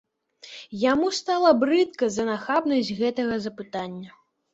Яму стала брыдка за нахабнасць гэтага запытання.